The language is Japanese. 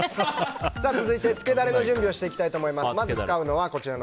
続いてつけダレの準備をしていきます。